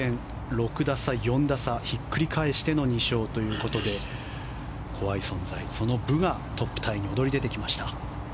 ６打差、４打差ひっくり返しての２勝ということで怖い存在、そのブがトップタイに躍り出てきました。